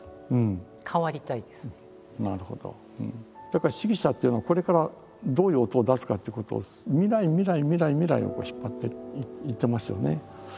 だから指揮者っていうのはこれからどういう音を出すかっていうことを未来未来未来未来を引っ張っていってますよね。